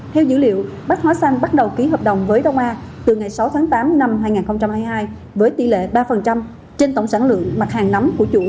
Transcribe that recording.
theo dữ liệu bách hóa xanh bắt đầu ký hợp đồng với đông a từ ngày sáu tháng tám năm hai nghìn hai mươi hai với tỷ lệ ba trên tổng sản lượng mặt hàng nắm của chuỗi